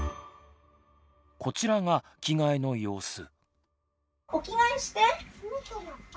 こちらが着替えの様子。